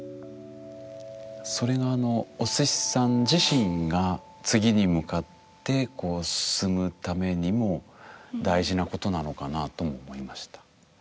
それがあのおすしさん自身が次に向かってこう進むためにも大事なことなのかなとも思いました。